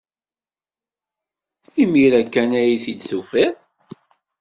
Imir-a kan ay t-id-tufiḍ.